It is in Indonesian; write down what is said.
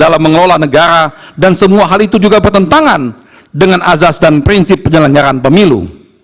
dalam mengelola negara dan semua hal itu juga bertentangan dengan azas dan prinsip penyelenggaran pemilu